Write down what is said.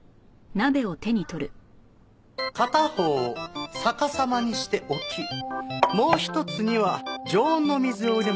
片方を逆さまにして置きもう一つには常温の水を入れます。